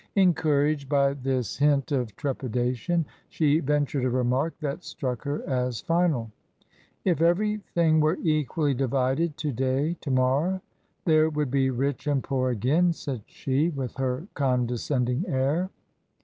Encouraged by this hint of trepidation, she ventured a remark that struck her as final. " If everything were equally divided to day, to morrow there would be rich and poor again !" said she, with her condescending air.